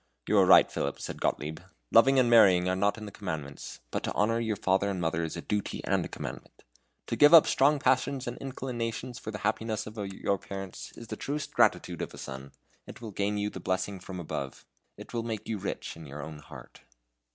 "You are right, Philip," said Gottlieb; "loving and marrying are not in the commandments but to honor your father and mother is a duty and commandment. To give up strong passions and inclinations for the happiness of your parents is the truest gratitude of a son. It will gain you the blessing from above: it will make you rich in your own heart."